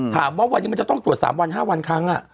ถามว่าวันนี้มันจะต้องตรวจ๓วัน๕วันครั้ง